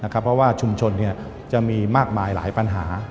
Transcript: เพราะว่าชุมชนจะมีมากมายหลายปัญหา